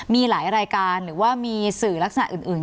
มีหลายรายการหรือว่ามีสื่อลักษณะอื่น